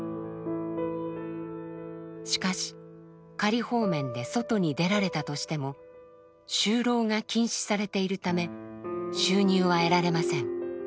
しかし「仮放免」で外に出られたとしても就労が禁止されているため収入は得られません。